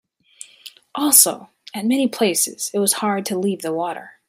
Also, at many places it was hard to leave the water.